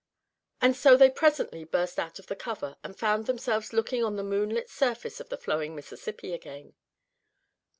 And so they presently burst out of the cover, and found themselves looking on the moonlit surface of the flowing Mississippi again.